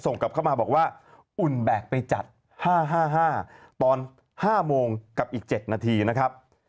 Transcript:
กลับเข้ามาบอกว่าอุ่นแบกไปจัด๕๕ตอน๕โมงกับอีก๗นาทีนะครับ